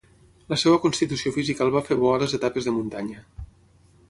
La seva constitució física el va fer bo a les etapes de muntanya.